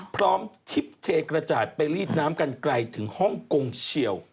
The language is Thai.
ทริปเทกระจาดไปรีดน้ำกันไกลถึงฮ่องกงเฉียว